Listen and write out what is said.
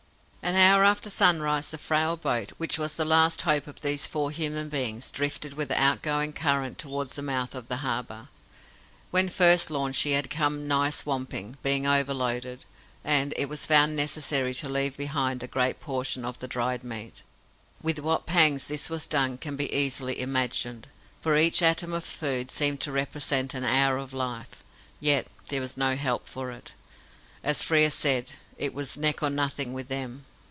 An hour after sunrise, the frail boat, which was the last hope of these four human beings, drifted with the outgoing current towards the mouth of the harbour. When first launched she had come nigh swamping, being overloaded, and it was found necessary to leave behind a great portion of the dried meat. With what pangs this was done can be easily imagined, for each atom of food seemed to represent an hour of life. Yet there was no help for it. As Frere said, it was "neck or nothing with them".